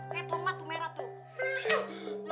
eh pomat tuh merah tuh